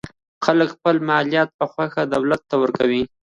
خلک خپل مالیات په خوښۍ دولت ته ورکوي.